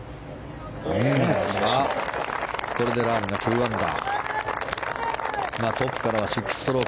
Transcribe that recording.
これでラーム２アンダー。